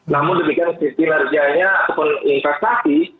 namun demikian sisi narsianya sebuah investasi